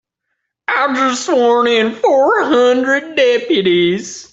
I've just sworn in four hundred deputies.